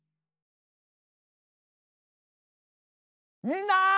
みんな。